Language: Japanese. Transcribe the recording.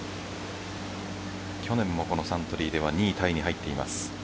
去年もこのサントリーでは２位タイに入っています。